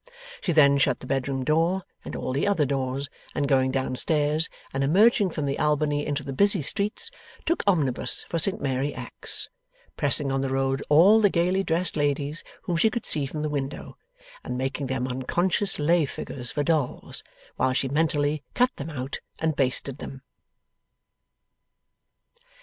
She then shut the bedroom door, and all the other doors, and going down stairs and emerging from the Albany into the busy streets, took omnibus for Saint Mary Axe: pressing on the road all the gaily dressed ladies whom she could see from the window, and making them unconscious lay figures for dolls, while she mentally cut them out and basted them.